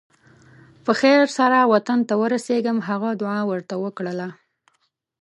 په خیر سره وطن ته ورسېږم هغه دعا ورته وکړله.